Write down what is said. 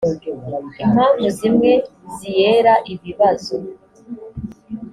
impamvu zimwe ziera ibibazo.